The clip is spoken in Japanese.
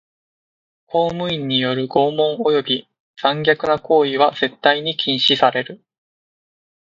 公務員による拷問および残虐な行為は絶対に禁止される。